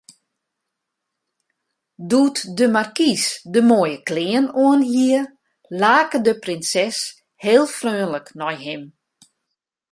Doe't de markys de moaie klean oanhie, lake de prinses heel freonlik nei him.